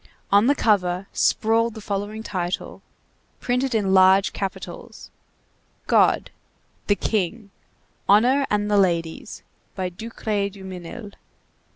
On the cover sprawled the following title, printed in large capitals: GOD; THE KING; HONOR AND THE LADIES; by DUCRAY DUMINIL, 1814.